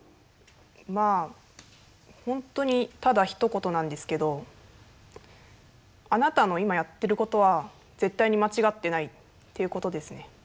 まあ本当にただひと言なんですけどあなたの今やってることは絶対に間違ってないっていうことですね。